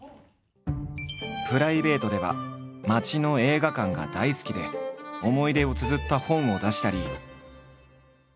プライベートでは街の映画館が大好きで思い出をつづった本を出したり。